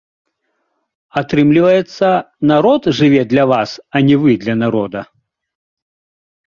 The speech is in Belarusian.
Атрымліваецца, народ жыве для вас, а не вы для народа?